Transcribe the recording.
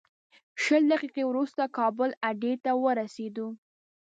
شل دقیقې وروسته کابل اډې ته ورسېدو.